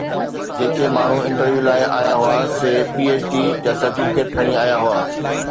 جيڪي ماڻهو انٽرويو لاءِ آيا هئا، سي پي ايڇ ڊي جا سرٽيفڪيٽ کڻي آيا هئا.